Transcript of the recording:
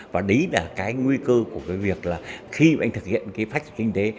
và đấy là cái nguy cơ của cái việc là khi mà anh thực hiện cái phách kinh tế